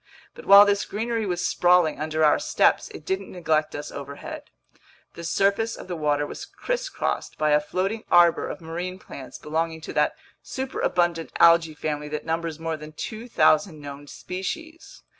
But while this greenery was sprawling under our steps, it didn't neglect us overhead. The surface of the water was crisscrossed by a floating arbor of marine plants belonging to that superabundant algae family that numbers more than 2,000 known species.